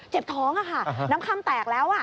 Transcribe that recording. เจ็บท้องค่ะน้ำคำแตกแล้ว